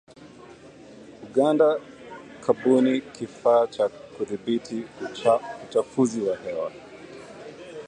Uganda kubuni kifaa cha kudhibiti uchafuzi wa hewa